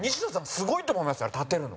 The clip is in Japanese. すごいと思いますよ、立てるの。